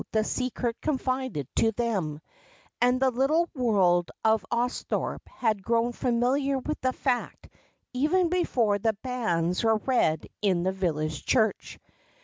the secret confided to them, and the little world of Austhorpe had grown familiar with the fact even before the banns were read in the village church.